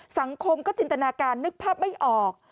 สังคมก็จินตนาการนึกภาพไม่ออก